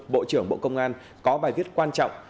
bộ trưởng bộ công an có bài viết quan trọng